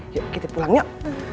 yuk kita pulang yuk